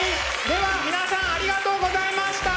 では皆さんありがとうございました。